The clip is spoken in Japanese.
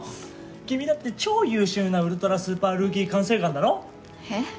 君だって超優秀なウルトラスーパールーキー管制官だろ？えっ？